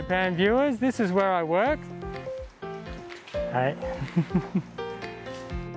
はい。